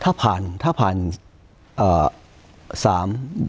ถ้าผ่านสาม